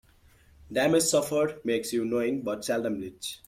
Damage suffered makes you knowing, but seldom rich.